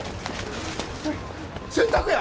洗濯や！